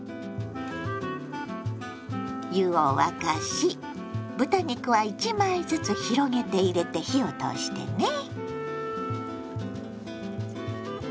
湯を沸かし豚肉は１枚ずつ広げて入れて火を通してね。